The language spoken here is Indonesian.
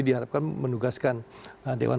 diharapkan menugaskan dewan